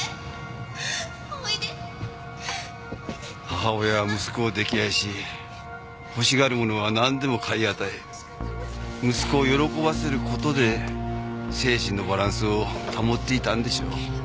母親は息子を溺愛し欲しがるものはなんでも買い与え息子を喜ばせる事で精神のバランスを保っていたんでしょう。